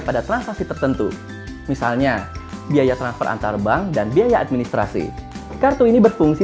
pada transaksi tertentu misalnya biaya transfer antar bank dan biaya administrasi kartu ini berfungsi